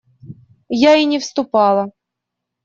Я и не вступала.